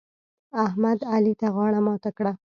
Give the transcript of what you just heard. احمد؛ علي ته غاړه ماته کړه.